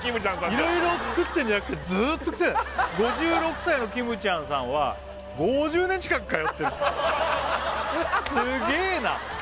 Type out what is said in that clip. いろいろ食ってんじゃなくてずーっと食ってる５６歳のきむちゃんさんは５０年近く通ってるすげえな！